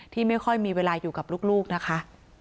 ไม่ค่อยมีเวลาอยู่กับลูกนะคะ